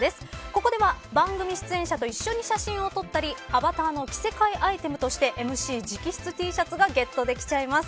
ここでは番組出演者と一緒に写真を撮ったり、アバターの着せ替えアイテムとしてＭＣ直筆Ｔシャツがゲットできちゃいます。